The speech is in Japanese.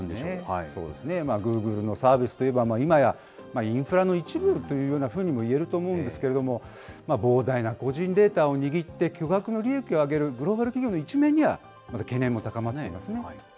グーグルのサービスといえば、今やインフラの一部というようなふうにもいえると思うんですけれども、膨大な個人データを握って、巨額の利益を挙げるグローバル企業の一面には、まだ懸念も高まっていますね。